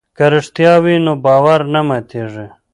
که رښتیا وي نو باور نه ماتیږي.